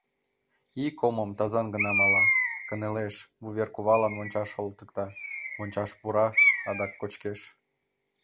Ик омым тазан гына мала, кынелеш, вувер кувалан мончаш олтыкта, мончаш пура, адак кочкеш...